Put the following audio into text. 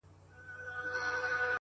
څوک دي نه ګوري و علم او تقوا ته-